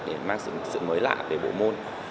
để mang sự mới lạ về bộ môn